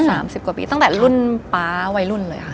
สามสิบกว่าปีตั้งแต่หลุ่นป๊าไว้หลุ่นเลยฮะ